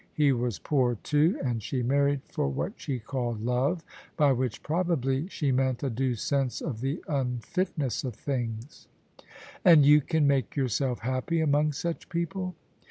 He was poor, too, and she married for what she called love : by which probably she meant a due sense of the unfitness of things." " And you can make yourself happy among such people